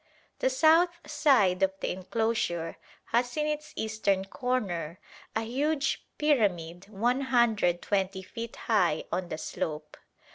The south side of the enclosure has in its eastern corner a huge pyramid 120 feet high on the slope.